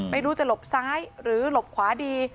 ไม่รู้จะหลบซ้ายหรือหลบขวาดี